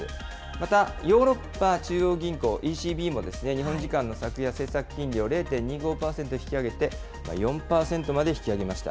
また、ヨーロッパ中央銀行・ＥＣＢも日本時間の昨夜、政策金利を０．２５％引き上げて、４％まで引き上げました。